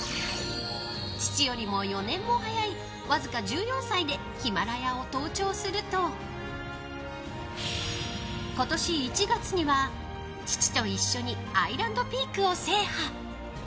父よりも４年も早いわずか１４歳でヒマラヤを登頂すると今年１月には父と一緒にアイランドピークを制覇。